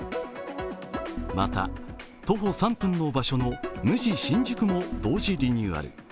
また、徒歩３分の場所のＭＵＪＩ新宿も同時リニューアル。